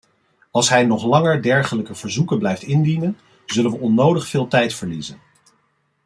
Als hij nog langer dergelijke verzoeken blijft indienen, zullen we onnodig veel tijd verliezen.